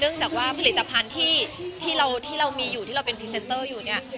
จากว่าผลิตภัณฑ์ที่เรามีอยู่ที่เราเป็นพรีเซนเตอร์อยู่เนี่ย